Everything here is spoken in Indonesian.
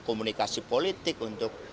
komunikasi politik untuk